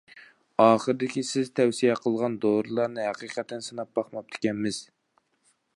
ئاخىرىدىكى سىز تەۋسىيە قىلغان دورىلارنى ھەقىقەتەن سىناپ باقماپتىكەنمىز.